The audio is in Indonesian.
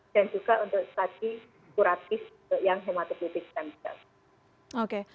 dan juga untuk strategi kuratif yang hematopoietic stem cell